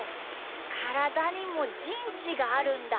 からだにもじんちがあるんだ。